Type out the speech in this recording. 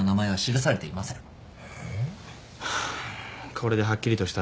これではっきりとした。